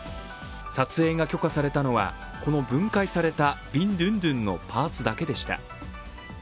撮影が許可されたのはこの分解されたビンドゥンドゥンのパーツだけでした。